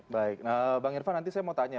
baik bang irvan nanti saya mau tanya